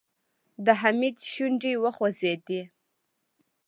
د حميد شونډې وخوځېدې.